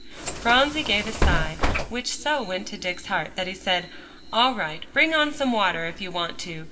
Phronsie gave a sigh, which so went to Dick's heart, that he said, "All right, bring on some water if you want to.